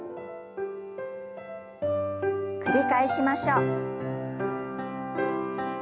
繰り返しましょう。